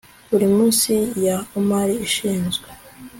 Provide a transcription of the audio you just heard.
buri munsi ya omari ishinzwe